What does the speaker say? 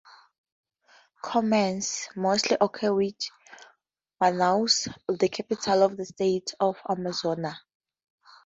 Commerce mostly occurs with Manaus, the capital of the State of Amazonas.